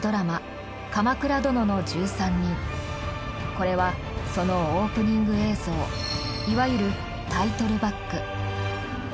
これはそのオープニング映像いわゆるタイトルバック。